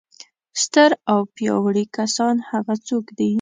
ستر او پیاوړي کسان هغه څوک دي.